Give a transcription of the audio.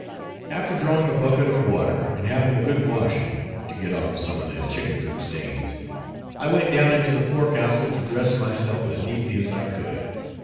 After drawing a bucket of water, and having a good washing, to get off some of the chicken coop stains, I went down into the forecastle to dress myself as neatly as I could.